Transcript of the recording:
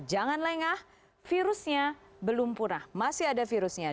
jangan lengah virusnya belum punah masih ada virusnya